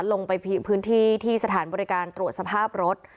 ลงไปพื้นที่ที่สถานบริการตรวจสภาพรถ